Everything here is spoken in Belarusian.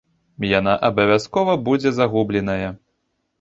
Яна абавязкова будзе загубленая.